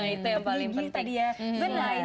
itu yang paling penting